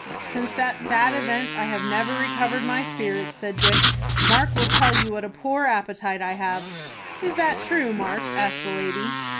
"Since that sad event I have never recovered my spirits," said Dick. "Mark will tell you what a poor appetite I have." "Is that true, Mark?" asked the lady.